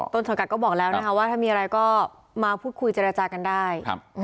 ต้นสังกัดก็บอกแล้วนะคะว่าถ้ามีอะไรก็มาพูดคุยเจรจากันได้